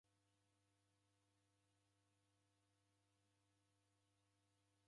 W'andu w'idaw'ongia nakio